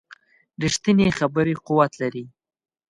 ریښتینې خبرې قوت لري